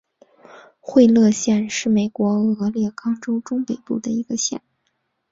惠勒县是美国俄勒冈州中北部的一个县。